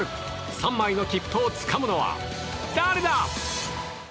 ３枚の切符をつかむのは誰だ。